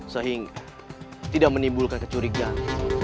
sehingga tidak menimbulkan kecurigaan